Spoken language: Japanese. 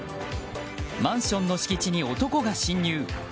マンションの敷地に男が侵入。